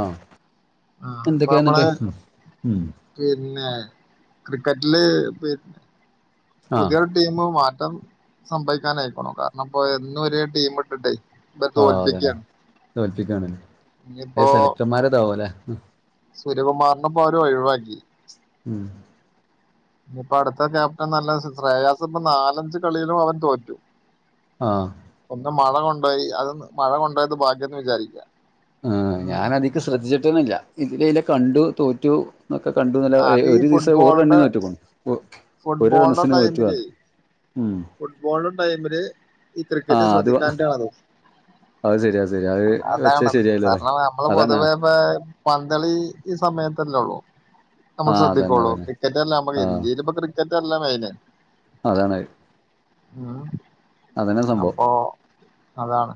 ആഹ് ആഹ് അപ്പൊ എന്തൊക്കയാ നമ്മളെ എന്നിട്ട് ഉം ഉം പിന്നെ ക്രിക്കറ്റ്ല് പി ആഹ് പുതിയൊരു ട്ടീമ് മാറ്റം സംഭവിക്കാനായിക്കുണൂ കാരണം ഇപ്പൊ എന്നും ഒരേ ട്ടീമ് ഇട്ട്ട്ടെ പ്പോ തോൽപ്പിക്ക്യാണ് തോല്പ്പികാണ് അത് സെലക്ടർമാരതാ ഓ ലേ സൂര്യകുമാറിനപ്പൊ അവര് ഒഴിവാക്കി ഉം അടുത്ത ക്യാപ്റ്റൻ നല്ല റ യാസ് ഇപ്പ നാലഞ്ച് കളില് അവൻ തോറ്റു ആഹ് ഒന്ന് മഴ കൊണ്ടോയി അത് മഴ കൊണ്ടോയത് ഭാഗ്യംന്ന് വിചാരിക്കാ ആഹ് ഞാനതിക്ക് ശ്രദ്ധിച്ചിട്ടെന്നല്ല ഇതിലയ്ലെ കണ്ടു തോറ്റു ഒക്കെ കണ്ടു നല്ല ഒര് അത് ഈ ഒരു ദീസം ഒരു ഫുട്ബോളിന്റെ റണ്ണിന് തോറ്റ്ക്ക്‌ണു. ഒര് ഒരു ഫുട്ബോളിന്റെ റൺസിന് തോറ്റുന്ന് ഉം ഫുട്ബോൾ ന്റെ ടൈമില് ഈ ക്രിക്കറ്റ് ആഹ് അത് ശ്രദ്ധിക്കാഞ്ട്ടാണത് അത് ശരി അത് ശരി അത് വെച്ച അതാണത് ശരിയായില്ലല്ലേ സാര്ണം നമ്മള് അതാണ് പൊതുവേ പഹ് പന്തളി ഈ സമയത്തല്ലെള്ളൂ നമ്മൾ ആഹ് അതന്നെ ശ്രദ്ധിക്കൊള്ളു അതന്നെ ക്രിക്കറ്റ് അല്ല നമക് ആഹ് ഇന്ത്യയില് പ്പ ക്രി ക്കറ്റല്ലേ മെയിൻ അതാണഹ് ഉം സംഭവം അപ്പൊ അതാണ്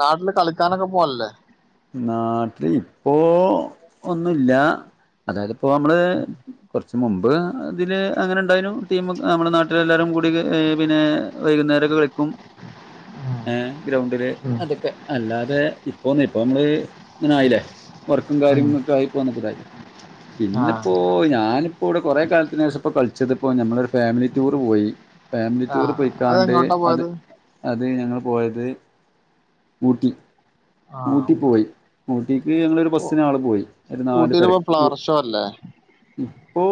നാട്ടില് കളിക്കാനൊക്കെ പോവല്ലേ നാട്ടില് ഇപ്പോ ഒന്നുല്ല അതായത് പ്പോ മ്മള് കൊർ ച്ച് മുമ്പ് ഇതില് അങ്ങനെ ണ്ടായിനു. ടീം മ്മളെ നാട്ടിലെല്ലാരും കൂടി പി പിന്നെ വൈകുന്നേരക്കെ കളിക്കും ഏഹ് ഗ്രൗണ്ടില് ഉം അതൊക്കെ അല്ലാതെ ഇപ്പൊ ന്നിപ്പോ മ്മള് ഇങ്ങനെ ആയിലെ വർക്കും ഉം കാര്യങ്ങള്ക്കെ ആയിപ്പോന്നക്കായിട്ട്ലെ പിന്നെ ആഹ് പ്പോ ഞാന് ഇപ്പോ വിടെ കൊറെ കാലത്ത്നേഷപ്പോ കള്ച്ചത്പ്പോ നമ്മളൊരു ഫാമിലി ടൂർ പോയി ഫാമിലി ടൂർ ആഹ് പൊയിക്കാണ്ട് അതെങ്ങോട്ടാ അത് പോയത് അത് ഞങ്ങൾ പോയത് ഊട്ടി ഊട്ടി ആഹ് പോയി ഊട്ടിക്ക് ഞങ്ങളൊരു ഊ ബസ്സ്നാള് പോയി ഒരു നാല് പെര് ഊട്ടിലിപ്പോ ഫ്ലവർ ഷോ അല്ലേ ഇപ്പോ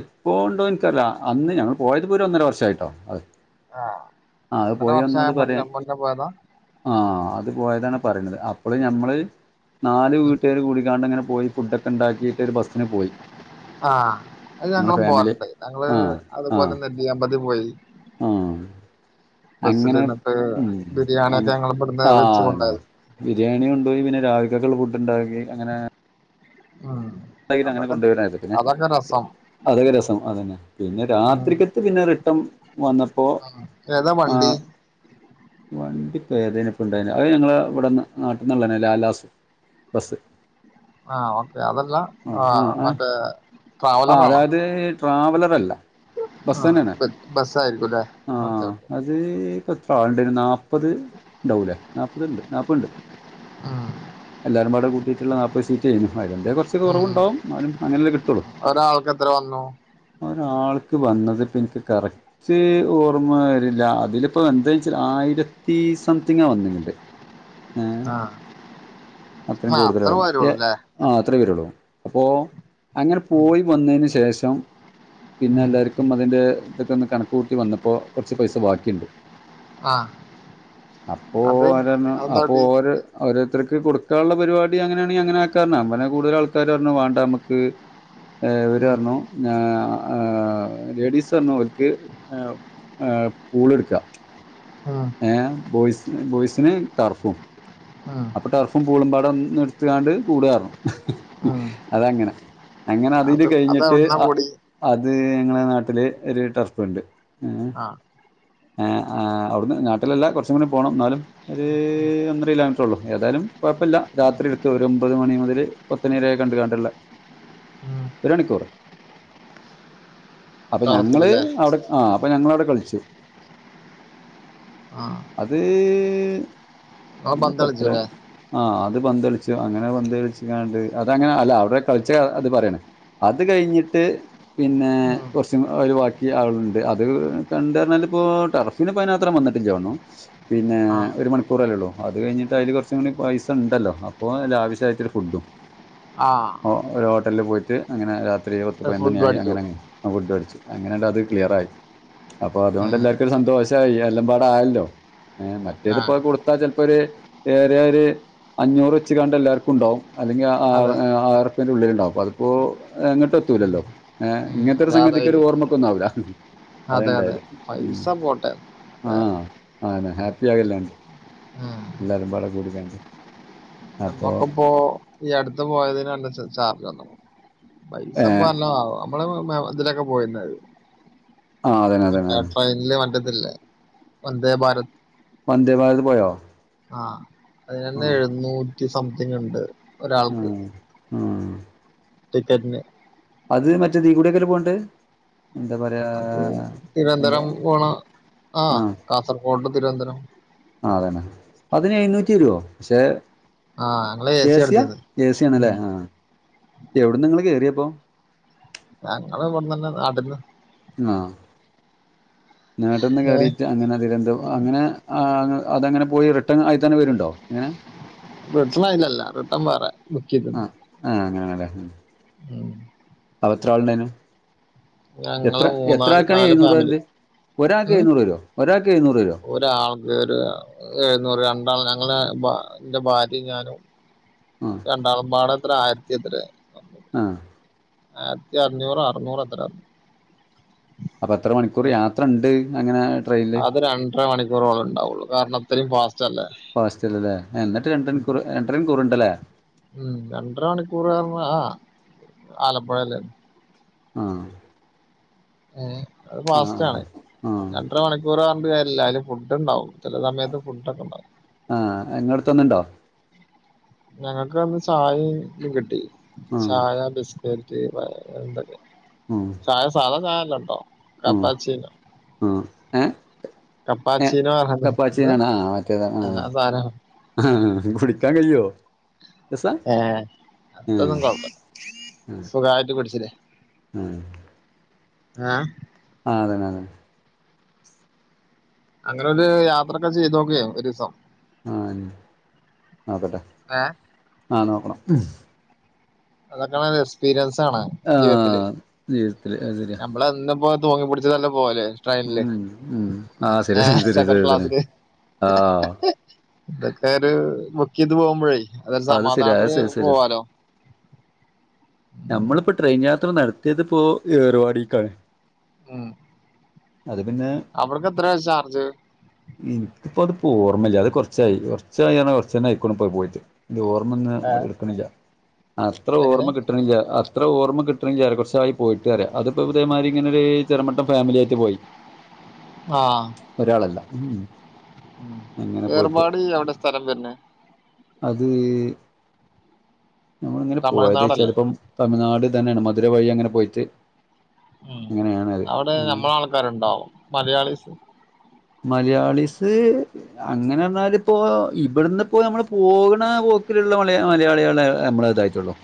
ഇപ്പോ ണ്ടോ ന്ക്കറീല. അന്ന് ഞങ്ങൾ പോയത് പ്പോ ഒന്നര വർഷായിട്ടോ അഹ് ആഹ് ഒന്നര വർഷായ മുന്ന മുന്ന പോയതാ ആഹ് അത് പോയതാണ് പറിണത് അപ്പള് ഞമ്മള് നാല് വീട്ടാര് കൂടിക്കാണ്ട് ങ്ങനെ പോയി ഫുഡൊക്കെ ണ്ടാക്കിട്ട് ഒരു ബസ്സിന് പോയി ആഹ് അത് ഞങ്ങളെ ഞങ്ങളും ഫാമിലി പോവല്ണ്ട് ഞങ്ങള് ആ ആ അതുപോലെ നെല്ലിയാമ്പതി പോയി ആ അങ്ങനെ ബസില്ന്നട്ട് ഉം ബിരിയാണി അങ് ഒക്കെ ഞങ്ങളും ബട്ന്ന് ആ വെച്ച് അതന്നെ കൊണ്ടോയത് ബിരിയാണി കൊണ്ടോയി. പിന്നെ രാവില്ക്കക്ക്‌ള്ള ഫുഡ് ണ്ടാക്കി അങ്ങനെ ആഹ് തൈര് അങ്ങനെ കൊണ്ടോയ് [unintelligible] പിനെ അതൊക്കെ രസം അതന്നെ പിന്നെ ഉം രാത്രിക്കത്ത് പിന്നെ റിട്ടം വന്നപ്പോ ഏതാ വണ്ടി വണ്ടിപ്പ ഏതേനിപ്പണ്ടായീനെ അഹ് ഞങ്ങളെ വടെന്നെ നാട്ട്ന്ന്ള്ളന്നെ ലാലാസ് ബസ്സ് ആ ഓക്കെ അതെല്ലാ ആ ആഹ് ഏഹ് ആ അതായത് ട്രാവലർ അല്ല ബസ് ആ തന്നെയാണ് ബസ് ബസ്സായിരിക്കുലെ. ആ ഓക്കെ ഓക്കെ അത് പ്പ എത്ര ആള്ണ്ടയ്നി നാപത് ണ്ടാവൂലെ നാപത് ണ്ട് നാപെഹ്ണ്ട് ഉം എല്ലാരും പാടെ കൂട്ടിയിട്ട്ള്ള നാപത് സീറ്റ്ര്ന്നു അതിന്റെ കൊറ്ച്ച് ഉം കൊറവ്ണ്ടാവും ന്നാലും അങ്ങനെല്ലെ കിട്ടൊള്ളു ഒരാൾക്ക് എത്ര വന്നു ഒരാൾക്ക് വന്നത്പ്പന്ക്ക് കറക് റ്റ് ഓർമ്മ വരില്ല അതിലിപ്പ എന്തെയ്ച്ചാ ല് ആയിരത്തി സംതിങ്ങ വന്നിനെത് ആഹ് ആ അത്ര വരൊള്ളൂ ലെ ആഹ് അത്രേ വര്വൊള്ളൂ അപ്പോ അങ്ങട് ഉം പോയി വന്നേന് ശേഷം ഉം പിന്നെല്ലാർക്കും അതിന്റെ തക്കെ ഒന്ന് കണക്കൂട്ടി വന്നപ്പോ കൊറ്ച്ച് പൈസ ബാക്കിയ്ണ്ട് ആഹ് അത് അപ്പോഓരർഞ്ഞ് അപ്പൊ അതെന്താട്ടി ഓര് ഓരോര്ത്രെയ്ക്ക് കൊടുക്കാൻള്ള പരിപാടി അങ്ങനെയാണെ അങ്ങനെക്കാന്നാ അപ്പ്പിന്നെ കൂടുതലാൾക്കാ ക്കാര്ർഞ്ഞു വാണ്ട നമുക്ക് ഏഹ് ഉം ഇവര്പർഞ്ഞു ഞാ ആഹ് ലേഡീസ് പറഞ്ഞു ഓൽക്ക് പൂളെട്ക്കാം ആഹ് ഏഹ് ബോയ്സ് ബോയ്സ്ന് ടർഫും ആഹ് ട്ടർഫും പൂളുംമ്പാട്വൊന്നും എടുത്ത്ക്വാണ്ട് കൂടുകാർഞ്ഞു ഉം അതങ്ങനെ അങ്ങനെ അതില് അത് കഴിഞ്ഞ്ട്ട് അതെവിടുന്നാ അഹ് കൂടി അത് ഞങ്ങളെ നാട്ടില് ഒര് ടർഫ്ണ്ട് ആഹ് ഏഹ് ഏഹ് അവ്ട്ന്ന് നാട്ടിലല്ല കൊറച്ചുംകുടി പോണംന്നാലും ഒര് ഉം ഒന്നര കിലോമീറ്ററ് ത്രൊള്ളു ഏതാലും കൊയപ്പ്ല്ല രാത്രി എട്ത്തൊര് ഒമ്പത് മണി മൊതല് പത്ത്വണിവെര കണ്ട് കണ്ടെല്ലാ ഒര്മണിക്കൂറ് അപ്പഞങ്ങള് ടറഫിലല്ലേ അവിടെ ആഹ് അപ്പഞങ്ങളവ്ടെ കളിച്ചു ആഹ് അത് ഇങ്ങള് അന്ന്പ്പത്രയാ പന്തളിച്ചുല്ലേ ആഹ് അത് പന്തള്ച്ച് അങ്ങനെ പന്തള്ച്ച്ക്വാണ്ട് അതങ്ങനെ അല്ല അവ്ടെ കളിച്ച അത് പറയാണ് അത് കയ്ഞ്ഞ്ട്ട് പിന്നെ കൊറച്ചും ഒര് ബാക്കി ആള്കള്ണ്ട് അത് കണ്ടാർഞ്ഞാലിപ്പോ ടർഫ് ഫിനപ്പ്‌നത്രം വന്നിട്ട്ല്ല്യോന്ന് പിന്നെ ആഹ് ഒര് മണിക്കൂറല്ലേ ഒള്ളൂ അത് കഴിഞ്ഞിട്ട് അയ്ല് കൊറച്ച്ങ്ങ്നെ പൈസണ്ടല്ലോ അപ്പോ ലാവിഷായ്ട്ടൊര് ഫുഡും ആഹ് ഓഹ് ഒര് ഹോട്ടൽല് പോയിട്ട് അങ്ങനെ രാത്രി പത്ത്പയ്നൊന്നണിയായ് ഫുട്ബോളടിച്ചു അങ്ങനെങ്ങനെ ആഹ് ഫുഡ് കയ്ച്ച് അങ്ങനെണ്ടത് ക്ലിയറായ് അപ്പൊ ഏഹ് അതുകൊണ്ടെല്ലാർക്കും സന്തോശായ് എല്ലാംമ്പാടായല്ലോ ഏഹ് ആഹ് മറ്റേത്പ്പോ കൊടുത്താ ചെലപ്പോര് ഏറ്യാര് അഞ്ഞൂറ് വെച്ച്കണ്ടെല്ലാർക്കുംണ്ടാവും അല്ലെങ്കി അതെ ആഹ് ആഹ് ആയ്റ്പ്യെന്റെ ഉള്ളില്ണ്ടാവും അതിപ്പോ എങ്ങട്ടും എത്തൂലല്ലോ ഉം, ഏഹ് ഉം, ഇങ്ങൻത്തെ ഒര് അതെ അതെ സംഗതി‌ക്കെര് ഓർമ്മക്കൊന്നാവൂലാ അതാണ്ടായത് ഉം ഹപ്പാ ആണ് ഹാപ്പിയാക്വല്ലാണ്ട് ഉം. എല്ലാരുംമ്പാടെ കൂടികാണ്ട് ഞമ്മക്ക്പ്പോ ഈ അടുത്ത് പോയതിന് നല്ലാ ചാ ചാർജ്വന്ന് പൈസപ്പനല്ലതാ നമ്മള് മെ ഇതില‌ക്കെ പോയ്ട്ട്ണ്ടായ് ആ അതന്നെ എന്താ അതന്നെ ട്രെയിനില് മറ്റതില്ലേ വന്ദേഭാരത് വന്ദേഭാരത് പോയോ ആഹ് ആഹ് അതിനാത്തെഴുന്നൂറ്റി സംത്ങ്ങ്ണ്ട് ഒരാൾക്ക് ആഹ് ആഹ് ടിക്കറ്റ്ന് അത് മറ്റേ ദീകൂട്ക്കെല്ലേപോണ്ട് എന്താ പറയാ അത് എന്താ തിര്വൻന്തരം പോണ ആഹ് കാസർകോട്ട് തിര്വൻന്തരം ആഹ് അതന്നെ അതിന് എഴുന്നൂറ്റി വര്വൊ പഷേ ആ ഞങ്ങള് എ സി ഏസിയാ എടുത്തിരുന്നു ഏസിയാണല്ലേ ആഹ് എവിട്ന്നാങ്ങള് കേറിയപ്പോ ഞങ്ങള്വ്ട്ന്നന്നെ നാട്ട്ന്ന് ആഹ് നാട്ട്ന്ന് കേറിട്ട് അങ്ങനെ തിര്വന്ത അങ്ങനെ ആഹ് അത് അതങ്ങനെ പോയി റിട്ടേണയ്തന്നെ വര്ണ്ടോ ഏഹ് റിട്ടണയ്ലല്ല റിട്ടൺ വേറെ ബുക്ക് ചെയ്ത് ആഹ് അങ്ങനാണല്ലെ ഉം ഉം അവ എത്ര ആളുണ്ടായിനു എത്ര ഞങ്ങള് എത്ര മൂന്നാല് ആൾക്കാ നാല് എഴുന്നൂറ് ഫാമിലി വരുണ്ട് ഒരാൾക്ക് ഉം എഴുന്നൂറ് വ രൂ വേ ഒരാൾക്ക് എഴുന്നൂറ് വരോ ഒരാൾക്ക് ഒരു പറ രണ്ടാൾ ഞങ്ങളുടെ ഭ എൻ്റെ ഭാര്യയും ഞാനും ആ രണ്ടാളും പാടെ എത്ര ആയിരത്തി എത്രേ ആഹ് ആയിരത്തി അഞ്ഞൂറൊ അറുന്നൂറ് എത്ര അപ്പൊ എത്ര മണിക്കൂർ യാത്ര ഇണ്ട് അങ്ങനെ ട്രെയിനില് അത് രണ്ടര മണിക്കൂറോളെ ഇണ്ടാവുള്ളു കാരണം ഇത്രയും ഫാസ്റ്റ് അല്ലേ ഫാസ്റ്റല്ലേ ല്ലേ എന്നിട്ട് രണ്ട് മണിക്കൂർ ഏഹ് രണ്ടര മണിക്കൂർണ്ടല്ലേ ഉം രണ്ടര മണിക്കൂർ റഞ്ഞാ ആലപ്പുഴേല് ആഹ് ഏഹ് അത് ആ ഫാസ്റ്റ് ആണ് ആ ആ രണ്ടര മണി ക്കൂർ അറഞ്ഞിട്ട് കാര്യല്ല അതില് ഫുഡ് ഉണ്ടാവും ചില സമയത്ത് ഫുഡ് ഒക്കെണ്ടാവും. ആഹ് എങ്ങടത്തൊന്ന്ണ്ടോ ഞങ്ങക്ക് അന്ന് ചായേം ഇതും കിട്ടി ആ ചായ ബിസ്കറ്റ് എന്തൊക്കെ ഉം ചായ സാധ ചായല്ലട്ടൊ കാപ്പാച്ചിനോ ആ ഏ ഏ കപ്പാച്ചീനോ എന്ത കപ്പാച്ചീനാണ് ആ മറ്റേതാണ് ആഹ് ആ സാനാണ് കുടിക്കാൻ കയ്യോ ഏഹ് ഏ അതൊന്നും കൊഴപ്പല്ല സുഖായിട്ട് കുടിച്ചില്ലേ ഏഹ് ഏഹ് ആഹ് അതെന്നെതെന്നെ അങ്ങനൊരു യാത്രൊക്കെ ചെയ്തു നോക്ക്യേ ഒരുസം ആഹ് ഞ്ഞി നോക്കട്ടെ ഏഹ് ആഹ് നോക്കണം അതൊക്കണ എക്സ്പീരിയൻസാണ് ആ ജീവിതത്തില് ജീവിതത്തില് അത് ശരിയാ നമ്മള്ന്ന് പോ തൂങ്ങി പിടിച്ച്ട്ടല്ലേ പോവല് ട്രെയില് ഉം ഉം ആ ശരിയാ ഏഹ് ശരിയാ സെക്കൻഡ് ശരിയാ ശരിയാ ക്ലാസ്സില് ആ ഇതൊക്കെ ഒരു ബുക്ക് യ്ത് പോകുമ്പോഴേ അതരു അത് ശരിയാ അത് സമാധാനത്തില് ശരി ശരിയാ പോവാലോ ഉം നമ്മളിപ്പോ ട്രെയിൻ യാത്ര നടത്തിയത്പ്പോ ഏർവാടിക്കാണ് ഉം അത് പിന്നെ അവർക്ക് എത്രേ ചാർജ് എനിക്കിപ്പോ അതൊക്കെ ഓർമ്മല്ല അത് കൊറച്ചായി കുറച്ചായിന്നറഞ്ഞ കൊറച്ചന്നെ ആയിക്കുണു പ്പത് പോയിട്ട് ഇന്റെ ഓർമ്മ ഒന്ന് എടുക്കണില്ല അത്ര എങ്ങനെ ഓർമ്മ കിട്ട് ട്ടണില്ല അത്ര ഓർമ്മ കിട്ടണില്ലാറയാ കുറച്ചായി പോയിട്ട് റയാ അതിപ്പോ ഇതേമാതിരി ഇങ്ങനൊരു ചെറുമട്ടം ഫാമില്യായിട്ട് പോയി ആഹ് ഒരാളല്ല ഉം അങ്ങനെ പോയിട്ട് ഏർവാടി എവിടെ സ്ഥലം വര്ണെ അത് നമ്മള്ങ്ങനെ പോയത് തമിഴ്നാടല്ലേ ചിലപ്പം തമിഴ്നാട് തന്നെയാണ് മധുര വഴി അങ്ങനെ പോയിട്ട് ഉം അങ്ങനെയാണ് അത് അവിടെ നമ്മള ആൾക്കാരുണ്ടാവോ മലയാളീസ് മലയാളിസ് അങ്ങനെറഞ്ഞാല് പ്പോ ഇവിടുന്ന് ഇപ്പോ നമ്മള് പോകണ പോക്കിലുള്ള വളിയാ മലയാളികളെ നമ്മളതായിട്ടുള്ളൂ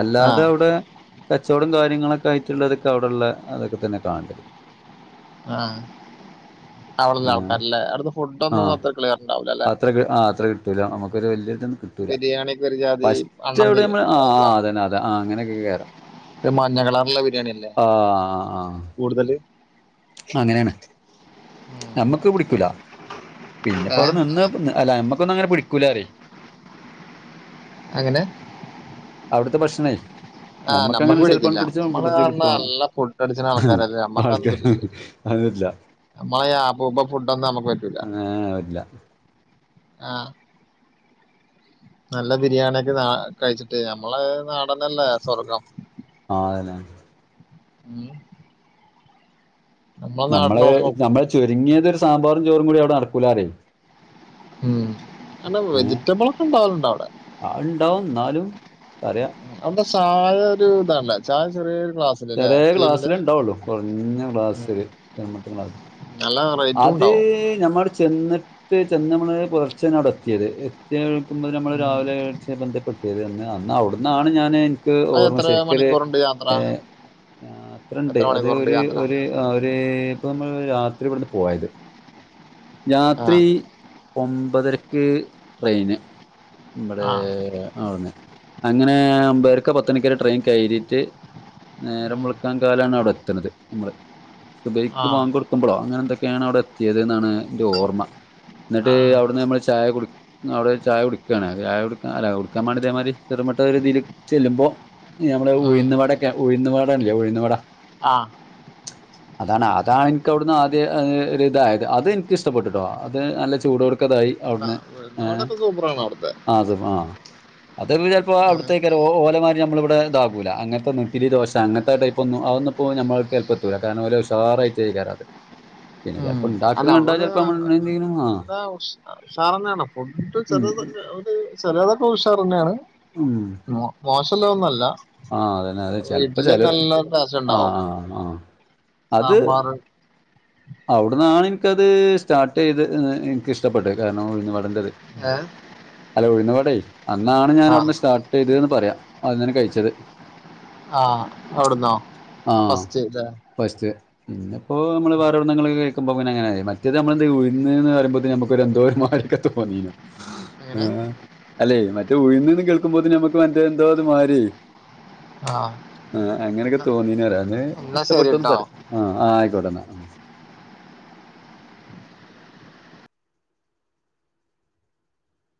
അല്ലാതെ ആഹ് അവിടെ കച്ചവടം കാര്യങ്ങളൊക്കെ ആയിട്ടുള്ളോരൊക്കെ അവിടെള്ള അതൊക്കെ തന്നെ കാണേണ്ടത് ആഹ് അവിടുള്ള ആൾക്കാരല്ലേ അവിടുത്തെ ഫുഡ് ഒന്നും അത്ര ക്ലിയർണ്ടാവൂല ല്ലെ അത്രക്ക്‌ ആഹ് അത്ര കിട്ടൂല്ല നമുക്കൊരു വല്യേത്ണ്. ട്ടൂല ബിരിയാണിയൊക്കെ ഒരു ജാതി ഫസ്റ് അണ്ണം അവിടെമ്മൾ ആഹ് അതന്നെ അതെ ആഹ് അങ്ങനെയൊക്കെ കേയറാം. ഒരു മഞ്ഞ കളറുള്ള ബിരിയാണി അല്ലേ ആ കൂടുതല്. അങ്ങനെയാണ് നമ്മക്ക് പിടിക്കൂല പിന്നെപ്പോ ഏഹ് അവിടെ നിന്ന് അല്ല നമ്മക്കൊന്ന അങ്ങനെ പിടിക്ക കുലറി അങ്ങനെ അവിടുത്തെ ഭക്ഷണേ. ആഹ് ഞമ്മക്ക നമ്മക്ക് അങ്ങനെ ചെിലപ്പോ പിടിക്കില്ല പിടിച്ച നമ്മള് പിടിച്ച പറഞ്ഞ കിട്ടോളാം നല്ല ഫുഡ് അടിച്ച്ണ ആൾക്കാരല്ലേ ആൾക്കാര്. അതില്ല നമ്മള ഉപ ഫുഡ് ഒന്നും നമക്ക് പറ്റു ആഹ പറ്റൂല. ആഹ് നല്ല ബിരിയാണിയൊക്കെ കഴിച്ചിട്ട് നമ്മള നാടന്നല്ലേ സ്വർഗം. ആഹ അതന്നെ ഉം നമ്മളെ നമ്മള് നാടിനോക്കും നമ്മളെ ചുരുങ്ങിയതു സാമ്പാറും ചോറും കൂടി അവിടെ നടക്കൂലനറ. ഉം അന്ന വെജിറ്റബിൾ ഒക്കെ ഉണ്ടാവലുണ്ട്. അവിടെ ആറിയ അവിടെ ചായ ഒരു ഇതല്ലേ ചായ ചെറിയൊരു ക്ലാസ്. ചെറിയ ക്ലാസ്സില് ഉണ്ടാവുള്ളു കുറഞ്ഞ ക്ലാസ്ൽ മുറ്റ ക്ലാസ്. നല്ല പറ അത് ഞമ്മൾ ചെന്നിട്ട് ചെന്നമ്മള് പുലർച്ചെന അവിടെ എത്തിയത്. കേൾക്കുമ്പോൾ നമ്മൾ രാവിലെ കഴ ബന്ധപ്പെട്ടിയത് എന്ന് അാൽ അവിടന്നാണ് ഞാൻ അത് ഓർമ്മ എത്ര ശരിക്കരു മണിക്കൂറുണ്ട് യാത്ര അത്രണ്ട് എത്ര അത് മണിക്കൂറുണ്ട് ഒര്. യാത്ര അവര് ഇപ്പോം നമ്മൾ രാത്രി ഇവിടുന്ന് പോയത്. ആ രാത്രി ഒമ്പതരക്ക് ട്രെയിന് നമ്മടെ ആ ആന്നെ അങ്ങനെ ഒമ്പരക്ക പത്ത് മണിക്ക ട്രെയിൻ കഴറിയിട്ട്. നേരം ഉം. വെളക്കാൻ കാലാണ് അവിടെ എത്തണത് നമ്മള്. ആ സുബഹിക്ക് ബാങ്ക് കൊടുക്കുഭളോ അങ്ങനെ എന്തൊക്കെയാണ് അവിടെ എത്തിയത്. ന്റെ ഓർമ്മ എന്നിട്ട് ആ അവിടുന്ന്. നമ്മൾ ചായ കൊടു അവിടെ ചായ കുടുക്കുകയാണ് ചായ കൊടുക്ക അല്ല കൊടുക്കാൻ വേ ഇതേമാതിരി ചെറുമട്ട രീതിയിൽ ചെല്ലുമ്പോ ഞമ്മള് ഉം. ഉഴന്ന് വടൊക്കെ ഉഴുന്നു വടല്ലേ ഉഴന്ന് വട. ആഹ് അതാണ് അതാണ് എനിക്ക് വിടുന്ന് ആദ്യ ഇതായത്. അത് ഇഷ്ട പെട്ടിട്ടോ അത് നല്ല ചൂട് ഒട് ക്കതായി. അല്ല, അവിടുന്ന് നാടൊക്കെ സൂപ്പറാണ് അവിടുത്തെ അത് ആ അത് പ്പോ അവിടത്തേക്ക ഓലമാതിരി നമ്മള് ഇവിടെ ഇതകൂല അങ്ങത്തെ നട്ടിലി ദോശ അങ്ങനത്തെ ടൈപ്പ് ഒന്നും അതന്ന ഇപ്പോ നമ്മൾക്ക്. എത്തൂല ഒല് ഉഷാറായിട്ട് കാരം. അത് [inaudible] പിന്നെ ചിലപ്പോ അല്ല ണ്ടാക്കുന്നത് കണ്ടാൽ അതുപോലെ ചിലപ്പോമ്മ എന്തങ്കിലും. [unintelligible] ഉഷാർ തന്നെയാണ് ഫുഡ് ഉം ചെലതെ ചെലതൊക്കെ ഉഷാർ തന്നെയാണ്. ഉം മോശല്ലത് ഒന്നുംല്ല. ആ അതന്നെ അത് ചിലപ്പോ ഇഡ്ഡലി ഒക്കെ ചില നല്ല ടേസ്റ്റ് ആ ഉണ്ടാവും. ആ ആ സാമ്പാർ. അവിടന്നാണ് എനിക്കത് സ്റ്റാർട്ട് ചെയ്ത് എനിക്ക് ഇഷ്ടപ്പെട്ടത്. കാരണം ഉഴുന്നു വട ൻ്റത് ഏ? അല്ല ഉഴുന്ന് വട അന്നാണ് ആ ഞാൻവിടന്ന് സ്റ്റാട്ട്. ഇതന് പറയാം അദൃംകഴിച്ചത്. ആഹ് അവിട്ന്നോ ആ ഫസ്റ്റ്. ലോ ഫസ്റ്റ് അപ്പോ നമ്മള് പറഞ്ഞു. ണ്ണങ്ങളിന്ന് കേൾക്കുമ്പോ അങ്ങനെആയി മറ്റേത് നമ്മൾ ഉഴിന്ന് പറിമ്പോത്തിനു ഒരു എന്തോമാതിരിയൊക്കെ തോന്നിനു അങ്ങനെ ആഹ് അല്ലെ മറ്റേ ഉഴിന്ന്ന്ന് കേൾക്കുമ്പോത്തിൻ നമ്മക്ക് മറ്റേ എന്തോത് മാരിയെ ആ ആഹ് അങ്ങനെയൊക്കെ തോന്നീൻ പറിയ അന്ന് എന്നാ ശരി ഇഷ്ടപ്പെട്ടുന്ന് കേട്ടോ പറയാ ആഹ് ആഹ് ആയിക്കോട്ടന്നാ